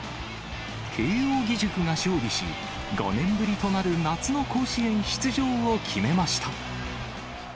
慶応義塾が勝利し、５年ぶりとなる夏の甲子園出場を決めました。